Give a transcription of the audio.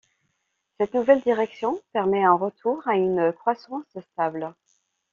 Cette nouvelle direction permet un retour à une croissance stable.